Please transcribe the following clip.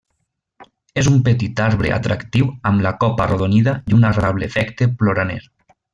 És un petit arbre atractiu amb la copa arrodonida i un agradable efecte ploraner.